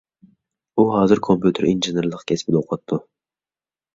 ئۇ ھازىر كومپيۇتېر ئىنژېنېرلىقى كەسپىدە ئوقۇۋاتىدۇ.